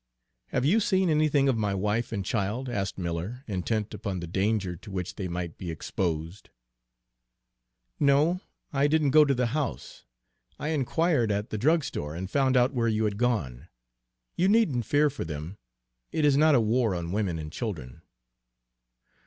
"Have you seen anything of my wife and child?" asked Miller, intent upon the danger to which they might be exposed. "No; I didn't go to the house. I inquired at the drugstore and found out where you had gone. You needn't fear for them, it is not a war on women and children."